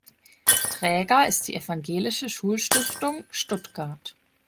Träger ist die Evangelische Schulstiftung Stuttgart.